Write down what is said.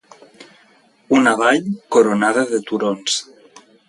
Una vall coronada de turons.